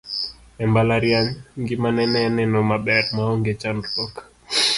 e mbalariany, ngimane ne neno maber maonge chandruok